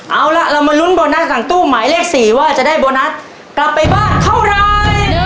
เอาล่ะเรามาลุ้นโบนัสหลังตู้หมายเลข๔ว่าจะได้โบนัสกลับไปบ้านเท่าไร